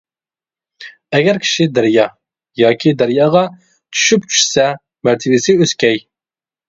ئەگەر كىشى دەريا، ياكى دەرياغا چۈشۈپ چۈشىسە، مەرتىۋىسى ئۆسكەي.